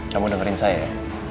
kamu dengerin saya ya